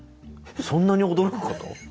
うんそんなに驚くこと？